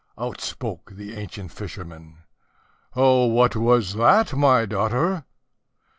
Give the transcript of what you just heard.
Out spoke the ancient fisherman, "Oh, what was that, my daughter?"